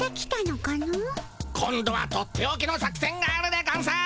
今度はとっておきの作戦があるでゴンス！